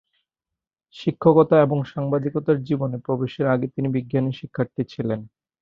শিক্ষকতা এবং সাংবাদিকতার জীবনে প্রবেশের আগে তিনি বিজ্ঞানের শিক্ষার্থী ছিলেন।